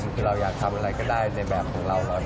คือเราอยากทำอะไรก็ได้ในแบบของเรา